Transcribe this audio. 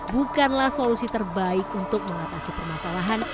bukanlah solusi terbaik untuk mengatasi permasalahan